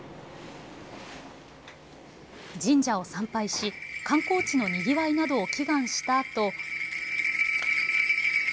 神社を参拝し、観光地のにぎわいなどを祈願したあと。